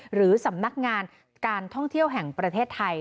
หรือสำนักงานการท่องเที่ยวแห่งประเทศไทย